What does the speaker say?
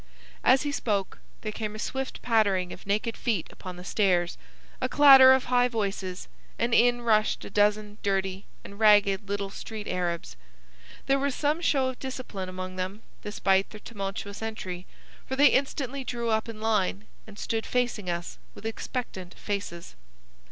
As he spoke, there came a swift pattering of naked feet upon the stairs, a clatter of high voices, and in rushed a dozen dirty and ragged little street Arabs. There was some show of discipline among them, despite their tumultuous entry, for they instantly drew up in line and stood facing us with expectant faces.